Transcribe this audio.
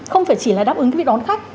không phải chỉ là đáp ứng việc đón khách